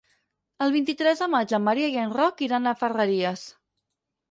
El vint-i-tres de maig en Maria i en Roc iran a Ferreries.